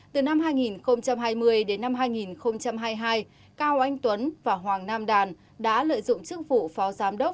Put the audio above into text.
từ năm hai nghìn hai mươi đến năm hai nghìn hai mươi hai cao anh tuấn và hoàng nam đàn đã lợi dụng chức vụ phó giám đốc